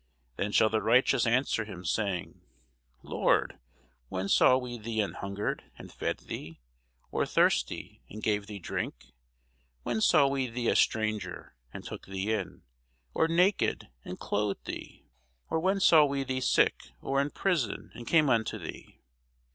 Then shall the righteous answer him, saying, Lord, when saw we thee an hungred, and fed thee? or thirsty, and gave thee drink? When saw we thee a stranger, and took thee in? or naked, and clothed thee? Or when saw we thee sick, or in prison, and came unto thee?